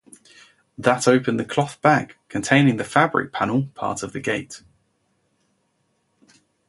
That opened the cloth bag containing the fabric panel part of the gate.